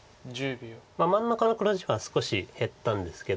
真ん中の黒地が少し減ったんですけど。